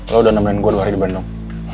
lo udah nemenin gue dua hari di bandung